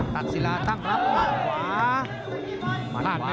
ตักศิลาตั้งคำขอบขวา